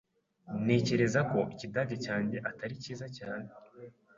Ntekereza ko Ikidage cyanjye atari cyiza cyane.